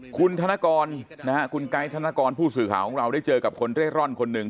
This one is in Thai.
คุณธนกรนะฮะคุณไกด์ธนกรผู้สื่อข่าวของเราได้เจอกับคนเร่ร่อนคนหนึ่ง